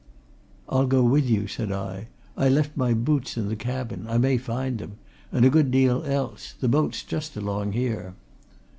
"I'll go with you," said I. "I left my boots in the cabin I may find them and a good deal else. The boat's just along here."